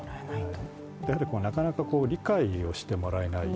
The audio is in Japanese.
なかなか理解をしてもらえない。